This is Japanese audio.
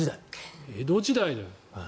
江戸時代だよ。